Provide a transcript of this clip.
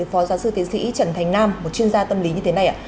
do giáo sư tiến sĩ trần thành nam một chuyên gia tâm lý như thế này